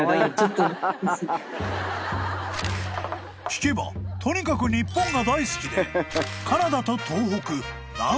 ［聞けばとにかく日本が大好きでカナダと東北何